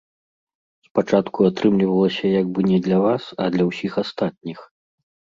Спачатку атрымлівалася як бы не для вас, а для ўсіх астатніх.